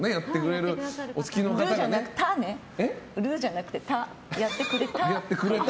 「る」じゃなくて「た」ねやってくれた。